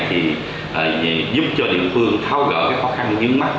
thì giúp cho địa phương